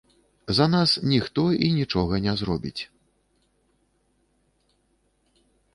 За нас ніхто і нічога не зробіць.